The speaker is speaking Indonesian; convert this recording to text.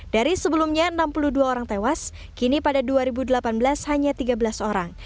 dari sebelumnya enam puluh dua orang tewas kini pada dua ribu delapan belas hanya tiga belas orang